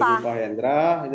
tentang penulisan pak hendra